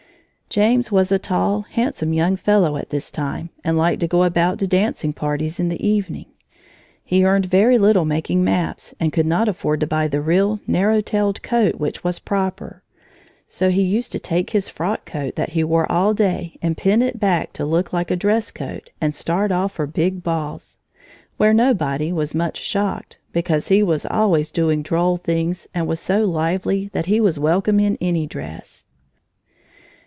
James was a tall, handsome young fellow at this time, and liked to go about to dancing parties in the evening. He earned very little making maps and could not afford to buy the real, narrow tailed coat which was proper. So he used to take his frock coat that he wore all day and pin it back to look like a dress coat and start off for big balls, where nobody was much shocked, because he was always doing droll things and was so lively that he was welcome in any dress.